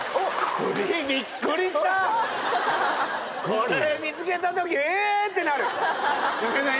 これ見つけた時えってなる中居さん